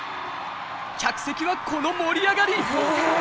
客席はこの盛り上がり！